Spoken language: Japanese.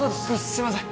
すいません